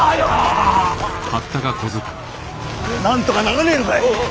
なんとかならねえのかい！